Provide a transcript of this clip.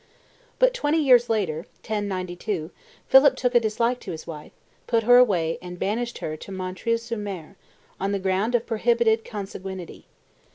But twenty years later, 1092, Philip took a dislike to his wife, put her away and banished her to Montreuil sur Mer, on the ground of prohibited consanguinity.